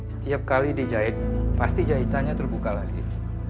setiap kali dijahit pasti jahitannya terbuka lagi